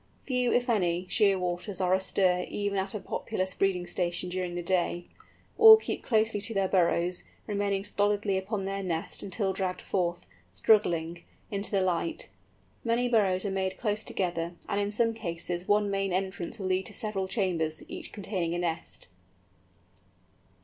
Few, if any, Shearwaters are astir even at a populous breeding station during the day; all keep closely to their burrows, remaining stolidly upon their nest until dragged forth, struggling, into the light. Many burrows are made close together, and in some cases one main entrance will lead to several chambers, each containing a nest.